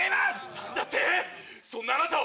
何だって⁉そんなあなたを。